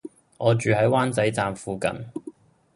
我住喺灣仔站附近